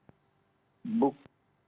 tim kuasa hukum sudah mengetahui soal bukti itu